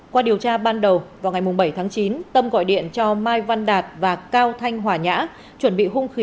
qua điều tra ban đầu vào ngày bảy tháng chín tâm gọi điện cho mai văn đạt và cao thanh hòa nhã chuẩn bị hung khí